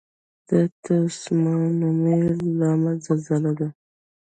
د تسونامي لامل زلزله ده.